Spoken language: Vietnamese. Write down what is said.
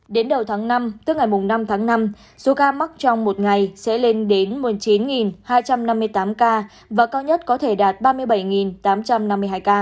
đến đầu tháng năm tức ngày năm tháng năm số ca mắc trong một ngày sẽ lên đến một mươi chín hai trăm năm mươi tám ca và cao nhất có thể đạt ba mươi bảy tám trăm năm mươi hai ca